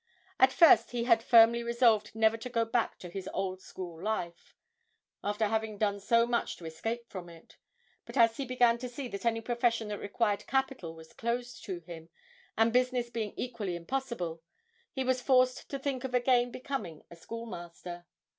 At first he had firmly resolved never to go back to his old school life, after having done so much to escape from it; but as he began to see that any profession that required capital was closed to him, and business being equally impossible, he was forced to think of again becoming a schoolmaster.